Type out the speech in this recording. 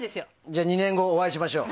じゃあ２年後お会いしましょう。